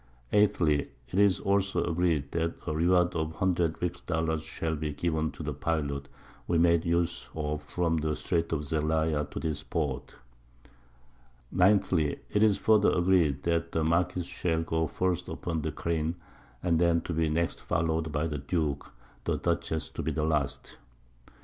_ 8thly, It is also agreed, That a Reward of 100 Rix Dollars shall be given to the Pilot we made use of from the Streights of Zelaya to this Port. 9thly, It is further agreed, That the Marquiss shall go first upon the careen; and then to be next followed by the Duke; the Dutchess _to be the last.